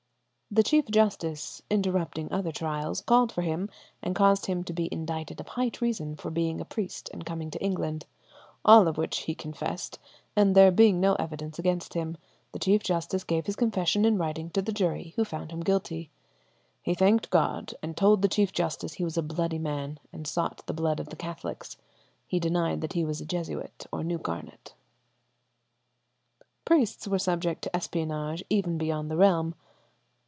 The Chief Justice, interrupting other trials, called for him and caused him to be indicted of high treason for being a priest and coming to England. All of which he confessed, and there being no evidence against him, the Chief Justice gave his confession in writing to the jury, who found him guilty. "He thanked God and told the Chief Justice he was a bloody man, and sought the blood of the Catholics. He denied that he was a Jesuit or knew Garnet.[73:1] ..." Priests were subject to espionage even beyond the realm.